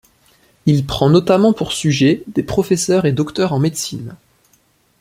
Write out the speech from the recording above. Il prend notamment pour sujet des professeurs et docteurs en médecine.